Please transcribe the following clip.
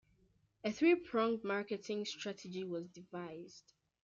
A three-pronged marketing strategy was devised.